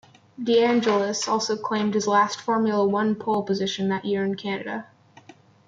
De Angelis also claimed his last Formula One pole position that year in Canada.